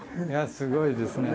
すごいですね。